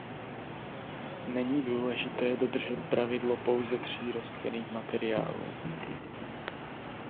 Není důležité dodržet pravidlo pouze tří rostlinných materiálů.